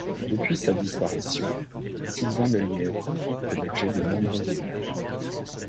Depuis sa disparition, Sylvain Lelièvre fait l’objet de nombreux hommages.